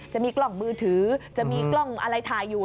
จะมีกล้องมือถือจะมีกล้องอะไรถ่ายอยู่